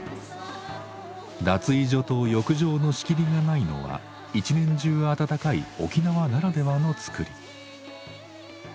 脱衣所と浴場の仕切りがないのは一年中温かい沖縄ならではのつくり。